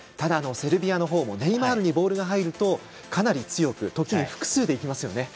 セルビアの方もネイマールにボールが入るとかなり強く、時に複数でいきます。